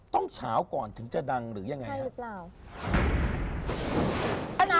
ต้องเช้าก่อนถึงจะดังหรือยังไงครับใช่หรือเปล่า